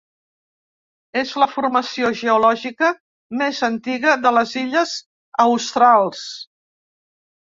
És la formació geològica més antiga de les illes Australs.